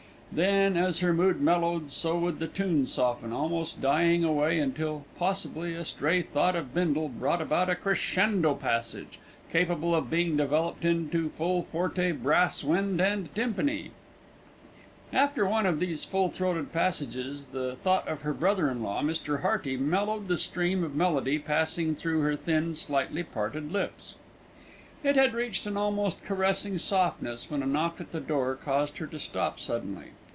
Then, as her mood mellowed, so would the tune soften, almost dying away until, possibly, a stray thought of Bindle brought about a crescendo passage, capable of being developed into full forte, brass wind and tympani. After one of these full throated passages, the thought of her brother in law, Mr. Hearty, mellowed the stream of melody passing through her thin, slightly parted lips. It had reached an almost caressing softness, when a knock at the door caused her to stop suddenly.